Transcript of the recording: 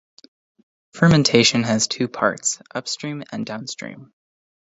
Fermentation has two parts: upstream and downstream.